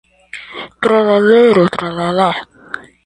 La orgeno estis preta dum la inaŭguro.